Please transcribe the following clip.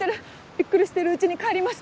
びっくりしてるうちに帰ります。